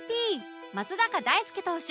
松坂大輔投手